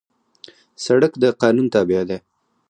سړک د قانون تابع دی.